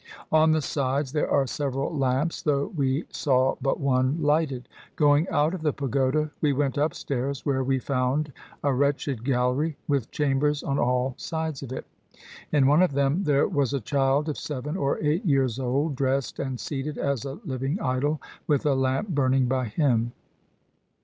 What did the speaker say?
On the sides there are several lamps, though we saw but one lighted. Going out of the pagoda, we went upstairs, where we found a wretched gallery, with chambers on all sides of it. In one of them there was a child of seven or eight years old, dressed and seated as a living idol, with a lamp burning by him.